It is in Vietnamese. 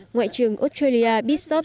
ngoại trưởng australia julia bishop